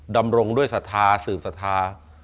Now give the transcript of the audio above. ดำรงด้วยสถาสืบสถา